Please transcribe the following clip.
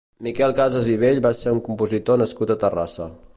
Miquel Casas i Bell va ser un compositor nascut a Terrassa.